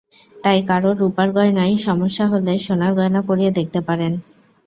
তাই কারও রুপার গয়নায় সমস্যা হলে, সোনার গয়না পরিয়ে দেখতে পারেন।